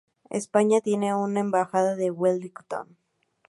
España tienen una embajada en Wellington.